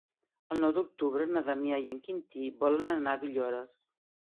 El nou d'octubre na Damià i en Quintí volen anar a Villores.